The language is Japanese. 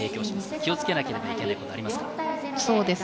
気をつけなければいけないところはありますか？